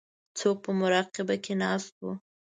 څوک په مراقبه کې ناست وو.